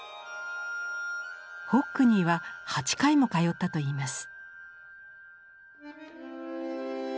ホックニーは８回も通ったといいます。